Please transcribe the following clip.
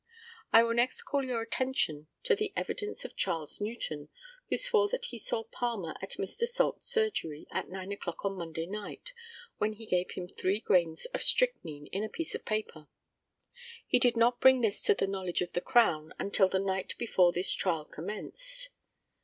I will next call your attention to the evidence of Charles Newton, who swore that he saw Palmer at Mr. Salt's surgery at 9 o'clock on Monday night, when he gave him three grains of strychnine in a piece of paper. He did not bring this to the knowledge of the Crown until the night before this trial commenced.